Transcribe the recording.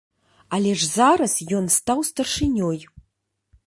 Але ж зараз ён стаў старшынёй.